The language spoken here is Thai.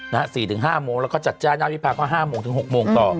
๔๐๐หรือ๕๐๐หรือจัดจ้านยานวิพาก็๕๐๐หรือ๖๐๐ต่อ